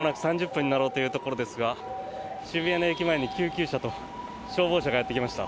深夜０時まもなく３０分になろうというところですが渋谷の駅前に救急車と消防車がやってきました。